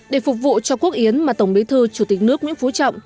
để phục vụ cho quốc yến mà tổng bí thư chủ tịch nước nguyễn phú trọng